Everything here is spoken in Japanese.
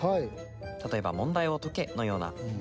例えば「問題を解け」のような。